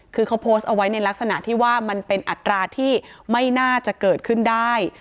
คือเขาโพสต์เอาไว้ในลักษณะที่ว่ามันเป็นอัตราที่ไม่น่าจะเกิดขึ้นได้